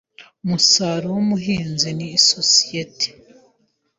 umusaruro w ubuhinzi ni isosiyete